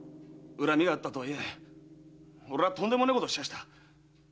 恨みがあったとはいえ俺はとんでもねえことをしました。